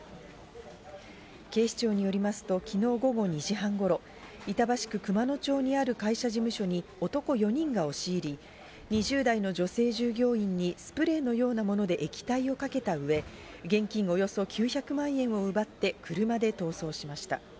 警視庁によりますと昨日午後２時半頃、板橋区熊野町にある会社事務所に男４人が押し入り、２０代の女性従業員にスプレーのようなもので液体をかけた上、現金およそ９００万円を奪って車で逃走しました。